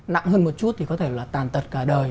nặng hơn một chút thì có thể là tàn tật cả đời